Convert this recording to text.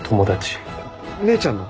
姉ちゃんの？